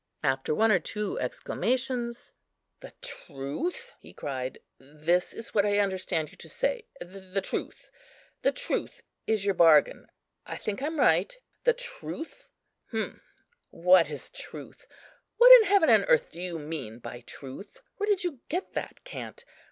After one or two exclamations, "The truth!" he cried, "this is what I understand you to say,—the truth. The truth is your bargain; I think I'm right, the truth; Hm; what is truth? What in heaven and earth do you mean by truth? where did you get that cant?